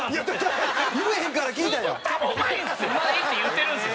うまいって言ってるんです。